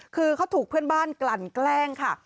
คือเขาถูกเพื่อนบ้านกลั่นแกล้งค่ะ